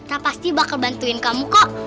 ya iya kita pasti bakal bantuin kamu kok